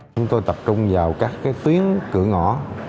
chúng tôi tập trung vào các tuyến cửa ngõ